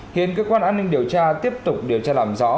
hiện cơ quan an ninh điều tra tiếp tục điều tra làm rõ